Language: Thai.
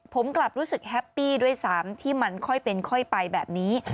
ผมกลับรู้สึกแฮปปี้ด้วยซ้ำที่มันค่อยเป็นค่อยไปแบบนี้